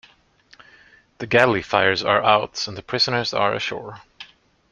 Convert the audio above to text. The galley fires are out and the prisoners are ashore.